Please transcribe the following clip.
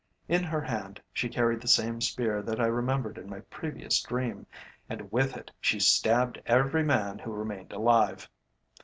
In her hand she carried the same spear that I remembered in my previous dream, and with it she stabbed every man who remained alive.